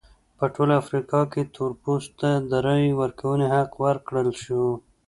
په ټوله افریقا کې تور پوستو ته د رایې ورکونې حق ورکړل شو.